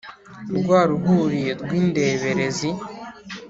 rwa ruhuri rw’ indeberezi